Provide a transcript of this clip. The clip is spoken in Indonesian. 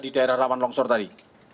di daerah rawan longsor tadi